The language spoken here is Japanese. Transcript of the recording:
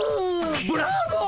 ブラボー！